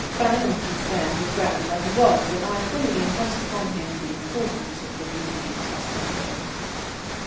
Falloon should stand his ground where he was, but I fully impressed upon him the importance of the duty entrusted to him.